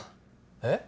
えっ？